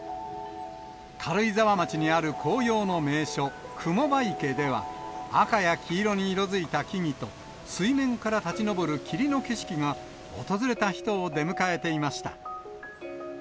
軽井沢町にある紅葉の名所、雲場池では、赤や黄色に色づいた木々と、水面から立ち上る霧の景色が訪れた人を出迎えていました。